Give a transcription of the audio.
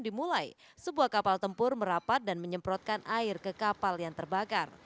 dimulai sebuah kapal tempur merapat dan menyemprotkan air ke kapal yang terbakar